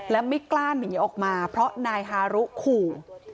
และไม่กล้าหนีออกมาเพราะนายฮารุขู่